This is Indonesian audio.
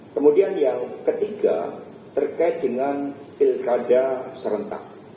kemudian yang ketiga terkait dengan pilkada serentak